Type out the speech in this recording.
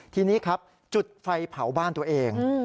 ทีนี้ครับจุดไฟเผาบ้านตัวเอง